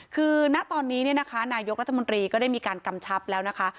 คือณตอนนี้เนี่ยนะคะนายกรัฐมนตรีก็ได้มีการกำชับแล้วนะคะ